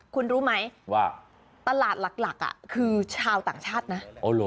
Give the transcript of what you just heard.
คุณรู้ไหมว่าตลาดหลักคือชาวต่างชาตินะ